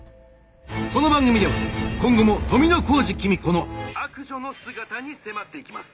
「この番組では今後も富小路公子の悪女の姿に迫っていきます」。